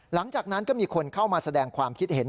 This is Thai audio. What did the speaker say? หลังจากนั้นก็มีคนเข้ามาแสดงความคิดเห็น